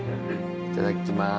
いただきます